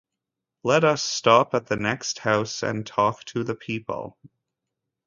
Let us stop at the next house and talk to the people.